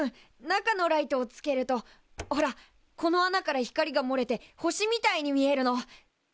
中のライトをつけるとほらこの穴から光がもれて星みたいに見えるの。